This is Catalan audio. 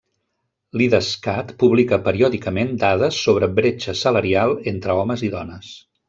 L'Idescat publica periòdicament dades sobre bretxa salarial entre homes i dones.